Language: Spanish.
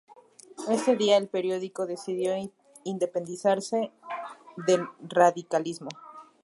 Ése día el periódico decidió independizarse del radicalismo.